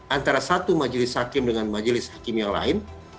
antara satu majelis hakim dengan majelis hakim yang lain